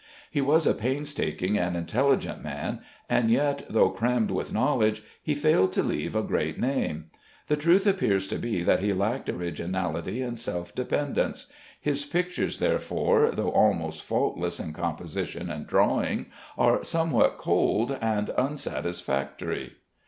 He was a painstaking and intelligent man, and yet, though crammed with knowledge, he failed to leave a great name. The truth appears to be that he lacked originality and self dependence. His pictures, therefore, though almost faultless in composition and drawing, are somehow cold and unsatisfactory.